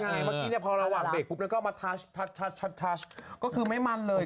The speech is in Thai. ใช่เมื่อกี้เนี่ยพอระหว่างเบกแล้วก็มาทัชก็คือไม่มันเลย